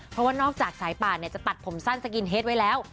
เพราะว่านอกจากสายป่านจะตัดผมสั้นสกินเฮดไว้แล้ว